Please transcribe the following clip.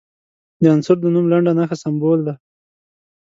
د عنصر د نوم لنډه نښه سمبول دی.